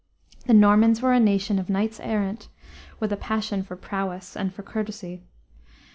The Normans were a nation of knights errant, with a passion for prowess and for courtesy.